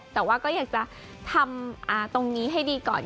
แต่ว่าก็อยากจะทำตรงนี้ให้ดีก่อน